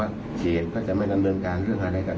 และก็ไม่ได้ยัดเยียดให้ทางครูส้มเซ็นสัญญา